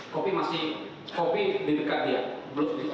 kopi masih kopi di dekat dia